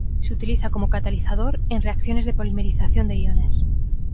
Se utiliza como catalizador en reacciones de polimerización de iones.